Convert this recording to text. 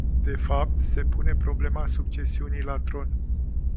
De fapt, se pune problema succesiunii la tron.